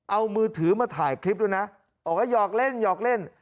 เอามือถือมาถ่ายคลิปด้วยนะบอกว่าหยอกเล่นหยอกเล่น